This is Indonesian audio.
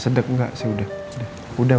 sedap enggak sih udah